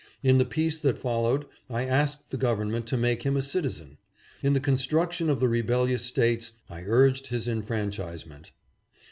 In the peace that followed, I asked the Government to make him a citizen. In the construction of the rebellious States I urged his enfranchisement.